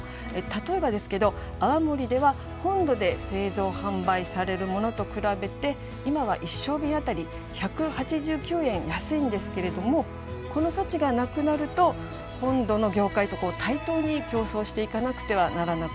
例えばですけど泡盛では本土で製造・販売されるものと比べて今は一升瓶あたり１８９円安いんですけれどもこの措置がなくなると本土の業界と対等に競争していかなくてはならなくなるんですね。